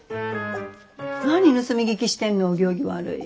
何盗み聞きしてんのお行儀悪い。